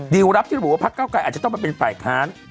รับที่ระบุว่าพักเก้าไกรอาจจะต้องมาเป็นฝ่ายค้าน